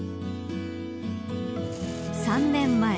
３年前。